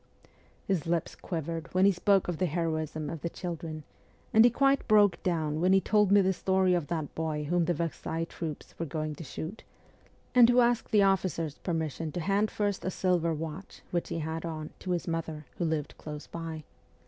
His lips quivered when he spoke of the heroism of the children ; and he quite broke down when he told me the story of that boy whom the Versailles troops were going to shoot, and who asked the officer's per mission to hand first a silver watch, which he had on, to his mother, who lived close by.